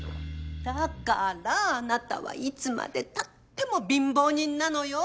だからあなたはいつまでたっても貧乏人なのよ！